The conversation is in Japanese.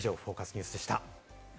ニュースでした。